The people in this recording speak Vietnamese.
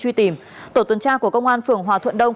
truy tìm tổ tuần tra của công an phường hòa thuận đông